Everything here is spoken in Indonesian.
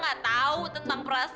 aku morphe ngerumah